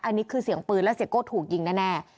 อันนี้คือเสียงปืนและเสียโก้ถูกยิงแน่